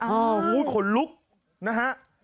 อ๋อโอ้โฮขนลุกนะฮะ